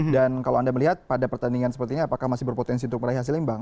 dan kalau anda melihat pada pertandingan sepertinya apakah masih berpotensi untuk meraih hasil imbang